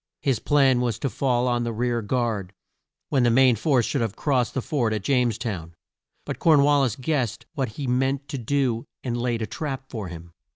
His plan was to fall on the rear guard, when the main force should have crossed the ford at James town. But Corn wal lis guessed what he meant to do and laid a trap for him.